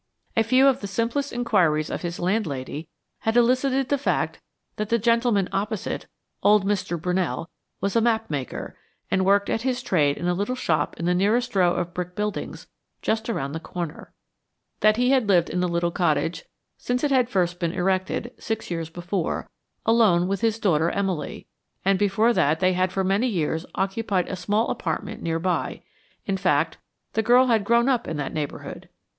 A few of the simplest inquiries of his land lady had elicited the fact that the gentleman opposite, old Mr. Brunell, was a map maker, and worked at his trade in a little shop in the nearest row of brick buildings just around the corner that he had lived in the little cottage since it had first been erected, six years before, alone with his daughter Emily, and before that, they had for many years occupied a small apartment near by in fact, the girl had grown up in that neighborhood.